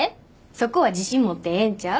そこは自信持ってええんちゃう？